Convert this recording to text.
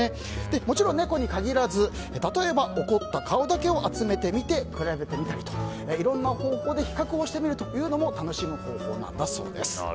もちろん、猫に限らず例えば怒った顔だけを集めてみて、比べてみたりといろんな方法で比較をしてみるのも楽しむ方法なんだそうです。